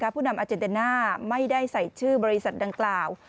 ผู้นำอาเจนเดน่าไม่ได้ใส่ชื่อบริษัทดังกล่าว